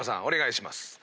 お願いします。